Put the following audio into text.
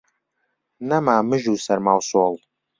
نەما مژ و سەرما و سۆڵ